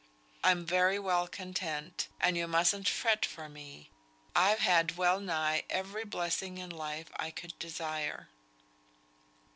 I'm very well content, and yo mustn't fret for me. I've had well nigh every blessing in life I could desire."